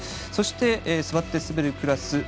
そして座って滑るクラス